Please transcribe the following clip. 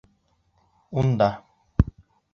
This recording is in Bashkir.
Унда.